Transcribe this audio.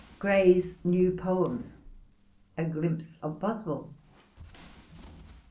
... GRAY'S NEW POEMS— A GLIMPSE OF SOSWELt. To Mb.